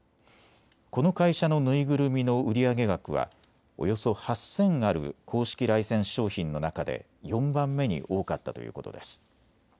この会社の縫いぐるみの売上額はおよそ８０００ある公式ライセンス商品の中で４番目に多かったということです。